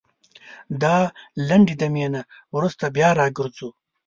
دا لنډې دمي نه وروسته بيا راګرځوو